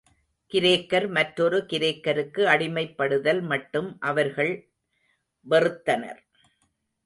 கிரேக்கர் மற்றொரு கிரேக்கருக்கு அடிமைப்படுதல் மட்டும் அவர்கள் வெறுத்தனர்.